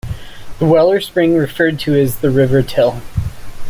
The well or spring referred to is the River Till.